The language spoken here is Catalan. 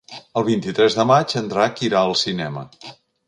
El vint-i-tres de maig en Drac irà al cinema.